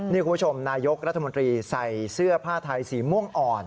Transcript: นี่คุณผู้ชมนายกรัฐมนตรีใส่เสื้อผ้าไทยสีม่วงอ่อน